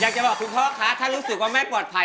อยากจะบอกคุณพ่อคะถ้ารู้สึกว่าแม่ปลอดภัย